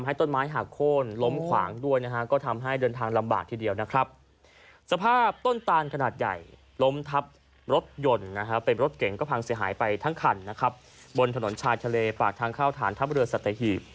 หายไปทั้งขันนะครับบนถนนชายทะเลปากทางเข้าฐานทัพเรือสัตเทฮีบ